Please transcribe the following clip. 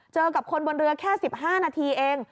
เจอกับคนบนเรือแค่๑๕นาทีเอง